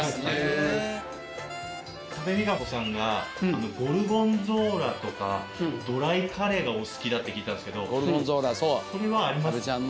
多部未華子さんがゴルゴンゾーラとかドライカレーがお好きだって聞いたんですけどそれはあります？